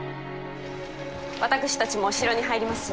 私たちも城に入ります。